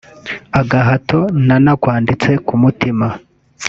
“Agahato” na “Nakwanditse ku Mutima”